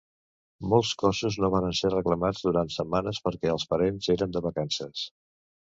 Molts cossos no varen ser reclamats durant setmanes perquè els parents eren de vacances.